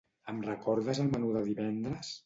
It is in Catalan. Em recordes el menú de divendres?